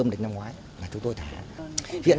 đến năm ngoái là chúng tôi thả hiện